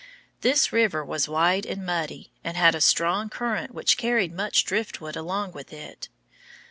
This river was wide and muddy, and had a strong current which carried much driftwood along with it.